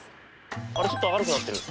あれちょっと明るくなってる。